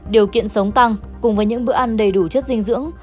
điều kiện sống tăng cùng với những bữa ăn đầy đủ chất dinh dưỡng